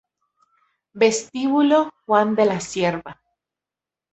Vestíbulo Juan de la Cierva